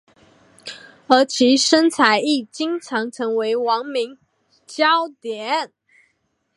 而其身材亦经常成为网民焦点。